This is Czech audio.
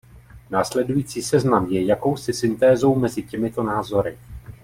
Následující seznam je jakousi syntézou mezi těmito názory.